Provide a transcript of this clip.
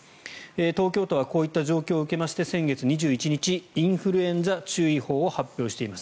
東京都はこういった状況を受けまして先月２１日インフルエンザ注意報を発表しています。